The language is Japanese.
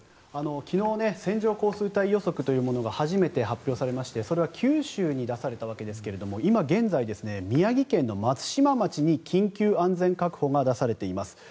昨日線状降水帯予測というものが初めて発表されましてそれは九州に出されたわけですが今現在、宮城県松島町に緊急安全確保が出されています。